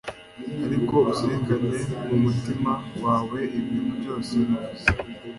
ariko uzirikane mumutima wawe ibintu byose navuze